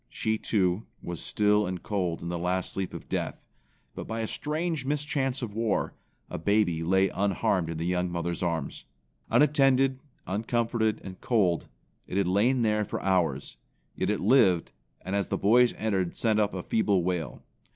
She, too, was still and cold in the last sleep of death, but by a strange mischance of war, a baby lay unharmed in the young mother's arms. Unattended, uncomforted and cold, it had lain there for hours; yet it lived, and as the boys entered sent up a feeble wail.